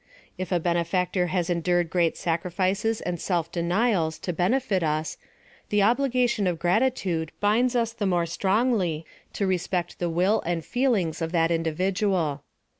If a benefactor has en dured great sacrifices and self denials to benefit us, the obligation of gratitude bmds us the more strong ly to respect the will and feelings of that individ ual.